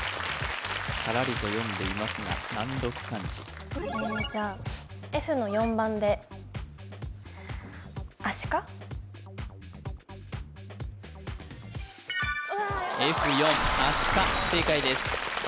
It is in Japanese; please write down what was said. サラリと読んでいますが難読漢字じゃあＦの４番でＦ４あしか正解です